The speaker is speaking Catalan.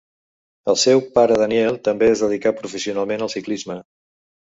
El seu pare Daniel també es dedicà professionalment al ciclisme.